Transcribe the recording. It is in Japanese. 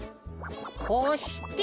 こうして。